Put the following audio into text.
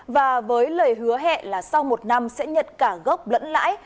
và với lời hứa hẹn là sau một năm sẽ nhật cả góp lẫn lãi